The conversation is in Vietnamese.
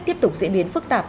tiếp tục diễn biến phức tạp